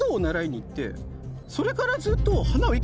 それからずっと。